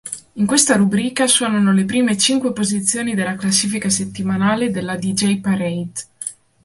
In questa rubrica suonano le prime cinque posizioni della classifica settimanale della Deejay Parade.